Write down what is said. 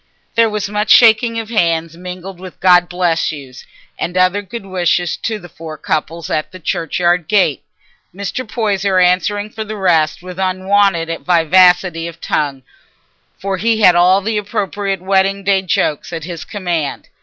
There was much shaking of hands mingled with "God bless you's" and other good wishes to the four couples, at the churchyard gate, Mr. Poyser answering for the rest with unwonted vivacity of tongue, for he had all the appropriate wedding day jokes at his command.